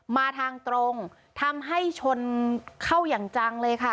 มาทางตรงทำให้ชนเข้าอย่างจังเลยค่ะ